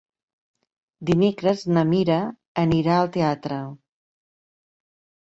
Dimecres na Mira anirà al teatre.